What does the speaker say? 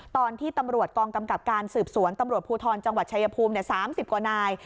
ตอนที่ตำรวจกองกำกับการสืบสวนตำรวจภูทรจังหวัดชายภูมิ๓๐กว่านาย